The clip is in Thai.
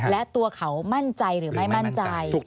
และตัวเขามั่นใจหรือไม่มั่นใจ